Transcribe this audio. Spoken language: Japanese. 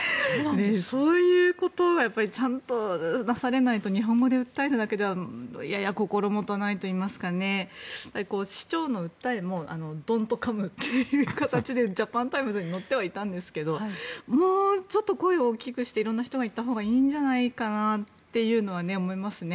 そういうことはちゃんと出されないと日本語で訴えるだけではやや心もとないといいますか区長の訴えもドント・カムっていう形でジャパンタイムズに載ってはいたんですがもうちょっと声を大きくして色んな人が言ったほうがいいんじゃないかなというのは思いますね。